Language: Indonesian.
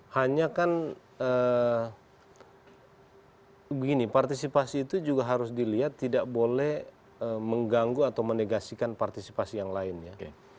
hanya kan begini partisipasi itu juga harus dilihat tidak boleh mengganggu atau menegasikan partisipasi yang lainnya